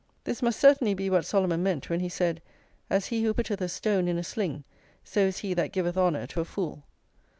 This must certainly be what Solomon meant when he said: "As he who putteth a stone in a sling, so is he that giveth honour to a fool."